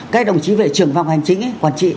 các đồng chí về trường phòng hành chính